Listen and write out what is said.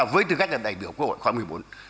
với tư cách là đại biểu quốc hội khóa một mươi bốn